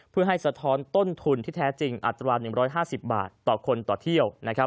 เพื่อให้สะท้อนต้นทุนที่แท้จริงอัตรา๑๕๐บาทต่อคนต่อเที่ยว